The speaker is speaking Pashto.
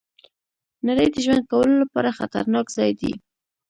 نړۍ د ژوند کولو لپاره خطرناک ځای دی.